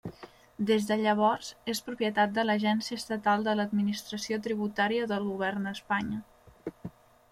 Des de llavors és propietat de l'Agència Estatal de l'Administració Tributària del Govern d'Espanya.